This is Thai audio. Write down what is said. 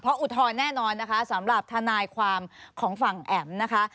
อุทธรณ์แน่นอนนะคะสำหรับทนายความของฝั่งแอ๋มนะคะ